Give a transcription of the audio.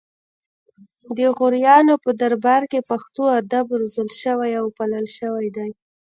د غوریانو په دربار کې پښتو ادب روزل شوی او پالل شوی دی